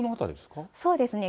そうですね。